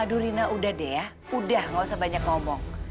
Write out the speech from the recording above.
aduh rina udah deh ya udah gak usah banyak ngomong